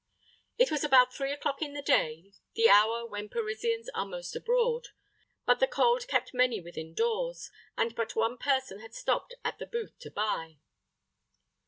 It was about three o'clock in the day, the hour when Parisians are most abroad; but the cold kept many within doors, and but one person had stopped at the booth to buy.